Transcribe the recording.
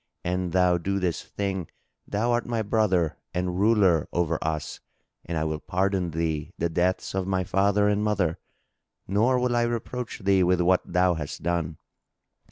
An thou do this thing, thou art my brother and ruler over us and I will pardon thee the deaths of my father and mother, nor will I reproach thee with what thou hast done.